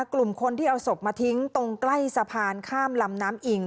กลุ่มคนที่เอาศพมาทิ้งตรงใกล้สะพานข้ามลำน้ำอิง